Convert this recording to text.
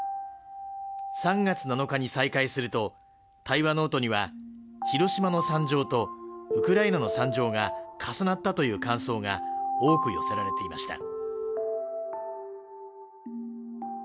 ３月７日に再開すると対話ノートには広島の惨状とウクライナの惨状が重なったという感想が多く寄せられていました